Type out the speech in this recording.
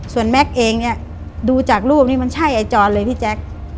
ส่วนแม็กซ์เองเนี่ยดูจากรูปนี้มันใช่ไอจรเลยพี่แจ๊ค